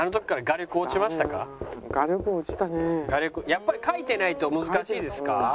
やっぱり描いてないと難しいですか？